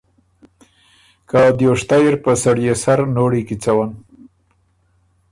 که دیوشتئ اِر په سړيې سر نوړی کی څوَّن۔